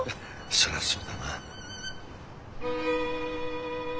そりゃそうだな。